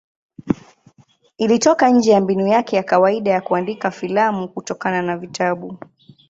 Ilitoka nje ya mbinu yake ya kawaida ya kuandika filamu kutokana na vitabu.